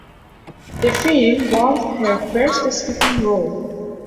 The film was her first speaking role.